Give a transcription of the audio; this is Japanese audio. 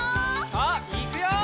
さあいくよ！